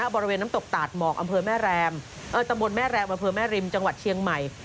บริเวณน้ำตกตาดหมอกตำบลแม่แรมบริเวณแม่ริมจังหวัดเชียงใหม่